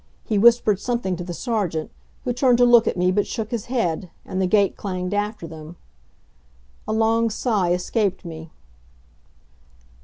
He whispered something to the Sergeant, who turned to look at me but shook his head, and the gate clanged after them. A long sigh escaped me.